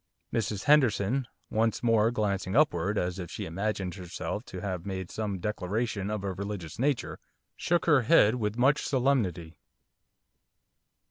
Mrs Henderson, once more glancing upward, as if she imagined herself to have made some declaration of a religious nature, shook her head with much solemnity.